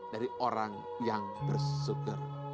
dari orang yang bersyukur